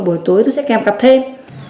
buổi tối tôi sẽ kèm cặp thêm